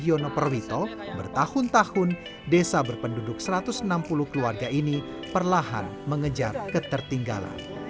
yono perwito bertahun tahun desa berpenduduk satu ratus enam puluh keluarga ini perlahan mengejar ketertinggalan